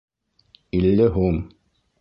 Илле һум